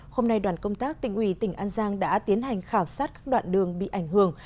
hôm nay đoàn công tác tỉnh ủy tỉnh an giang đã tiến hành khảo sát các đoạn đường bị ảnh hưởng